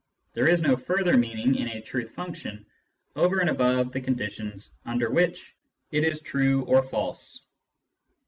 There is no further meaning in a truth function over and above the conditions under which it is true or false.